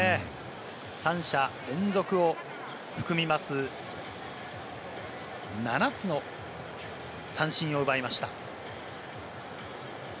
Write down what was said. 三者連続を含みます、７つの三振を奪いました。